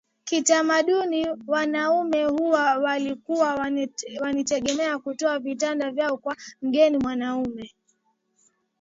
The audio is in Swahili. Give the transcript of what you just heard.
Kitamaduni wanaume huwa walikuwa wanategemewa kutoa vitanda vyao kwa mgeni mwanaume